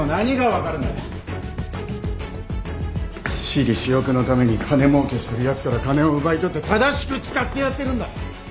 私利私欲のために金もうけしてるやつから金を奪い取って正しく使ってやってるんだ。